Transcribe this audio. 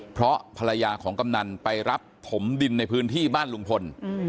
เพราะภรรยาของกำนันไปรับถมดินในพื้นที่บ้านลุงพล